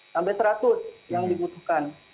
sampai seratus yang dibutuhkan